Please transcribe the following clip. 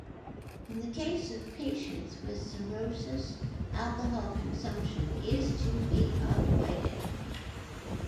In the case of patients with cirrhosis, alcohol consumption is to be avoided.